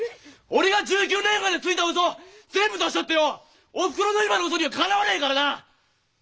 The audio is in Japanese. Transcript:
俺が１９年間でついたウソ全部足したってよおふくろの今のウソにはかなわねえからな！